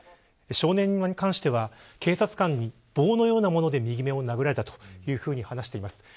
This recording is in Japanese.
少年に関しては警察官に棒のようなもので右目を殴られたと話してます。